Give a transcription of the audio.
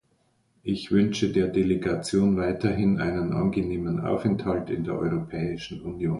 Ich wünsche der Delegation weiterhin einen angenehmen Aufenthalt in der Europäischen Union.